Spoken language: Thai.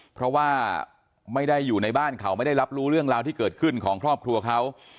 เพราะว่าไม่ได้อยู่ในบ้านเขาไม่ได้รับรู้เรื่องราวที่เกิดขึ้นของครอบครัวเขา